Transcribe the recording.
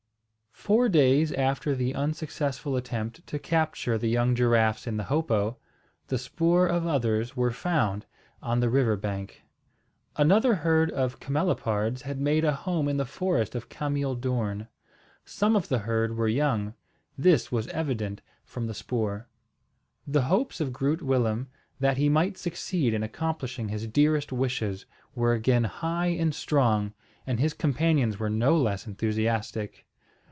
Four days after the unsuccessful attempt to capture the young giraffes in the hopo, the spoor of others were found on the river bank. Another herd of camelopards had made a home in the forest of cameel doorn. Some of the herd were young. This was evident from the spoor. The hopes of Groot Willem, that he might succeed in accomplishing his dearest wishes, were again high and strong; and his companions were no less enthusiastic.